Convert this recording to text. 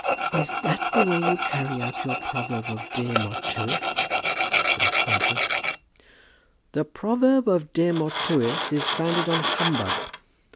"Is that the way you carry out your proverb of De mortuis?" said Mrs. Grantly. "The proverb of De mortuis is founded on humbug.